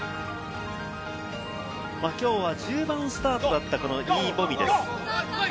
きょうは１０番スタートだった、イ・ボミです。